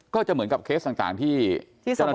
ก็จะเหมือนกับเคสต่างที่เจ้าหน้าที่ให้ยุ่นยัน